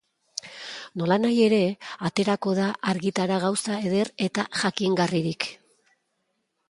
Nolanahi ere, aterako da argitara gauza eder eta jakingarririk.